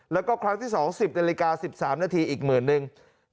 แล้วก็ครั้งที่๒๐นาฬิกา๑๓นาทีอีกหมื่นนึง